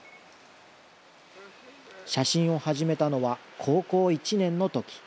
写真を始めたのは、高校１年のとき。